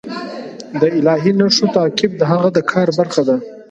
د الهي نښو تعقیب د هغه د کار برخه ده.